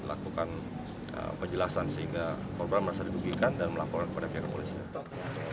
lakukan penjelasan sehingga korban merasa didugikan dan melaporkan kepada pihak kepolisian